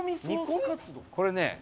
これね